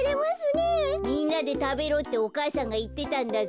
みんなでたべろってお母さんがいってたんだぞ。